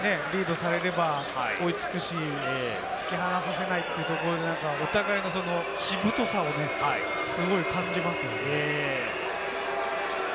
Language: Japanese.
お互いリードされれば追い付くし、突き放させないというところで、お互いのしぶとさをね、すごい感じますね。